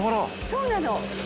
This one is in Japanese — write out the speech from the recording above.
「そうなの」